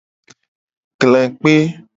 Kle kpe.